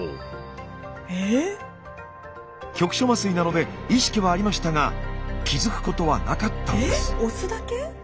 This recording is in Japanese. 局所麻酔なので意識はありましたが気付くことはなかったんです。